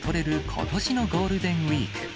ことしのゴールデンウィーク。